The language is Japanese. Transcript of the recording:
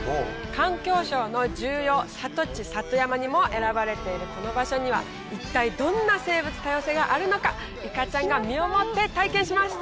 環境省の重要里地里山にも選ばれているこの場所には一体どんな生物多様性があるのかいかちゃんが身をもって体験します。